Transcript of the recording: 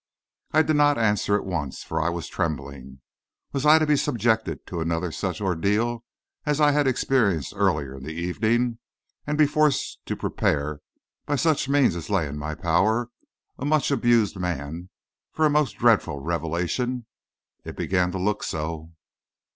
I did not answer at once, for I was trembling. Was I to be subjected to another such an ordeal as I had experienced earlier in the evening and be forced to prepare, by such means as lay in my power, a much abused man for a most dreadful revelation? It began to look so.